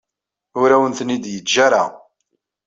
Ur awen-ten-id-yeǧǧa ara.